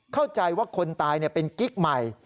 เข้าใจว่าคนตายเป็นกิ๊กใหม่